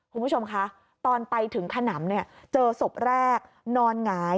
คุณผู้ชมคะตอนไปถึงขนำเนี่ยเจอศพแรกนอนหงาย